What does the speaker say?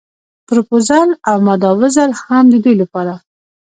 پروپوزل او ماداوزل هم د دوی لپاره.